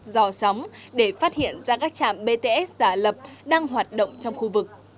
dò sóng để phát hiện ra các trạm bts giả lập đang hoạt động trong khu vực